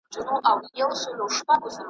زه مي خپل جنون له هر کاروان څخه شړلی یم .